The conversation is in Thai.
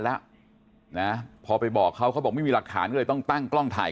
แล้วนะพอไปบอกเขาเขาบอกไม่มีหลักฐานก็เลยต้องตั้งกล้องถ่าย